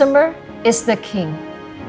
tuan kerajaan adalah huruf ku'at